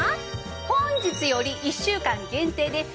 本日より１週間限定でさらに